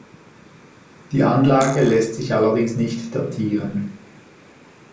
Die Anlage lässt sich allerdings nicht datieren.